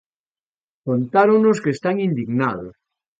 Contáronnos que están indignados.